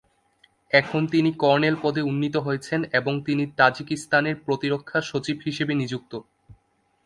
এখন তিনি কর্নেল পদে উন্নীত হয়েছেন এবং তিনি তাজিকিস্তানের প্রতিরক্ষা সচিব হিসেবে নিযুক্ত।